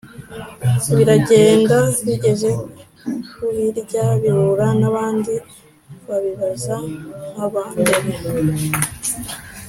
biragenda, bigeze ku hirya bihura n’abandi babibaza nk’aba mbere;